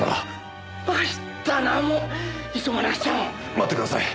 待ってください。